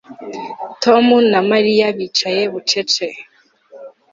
Tom na Mariya bicaye bucece